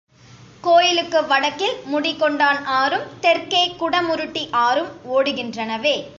கோயிலுக்கு வடக்கில் முடி கொண்டான் ஆறும், தெற்கே குடமுருட்டி ஆறும் ஓடுகின்றனவே!